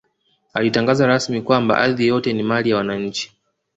Alitangaza rasmi kwamba ardhi yote ni mali ya wananchi